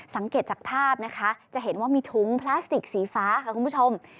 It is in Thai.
จากภาพนะคะจะเห็นว่ามีถุงพลาสติกสีฟ้าค่ะคุณผู้ชม